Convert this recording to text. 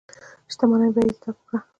شتمني به یې ضبط کړه.